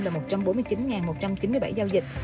là một trăm bốn mươi chín một trăm chín mươi bảy giao dịch